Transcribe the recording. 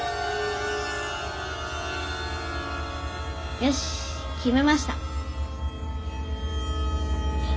よし決めましたッ！